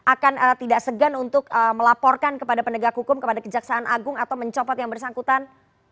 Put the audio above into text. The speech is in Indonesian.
akan tidak segan untuk melaporkan kepada penegak hukum kepada kejaksaan agung atau mencopot yang bersangkutan